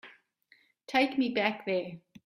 Take me back there.